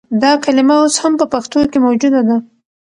دا کلمه اوس هم په پښتو کښې موجوده ده